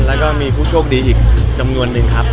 แล้วก็มีผู้โชคดีอีกจำนวนหนึ่งครับ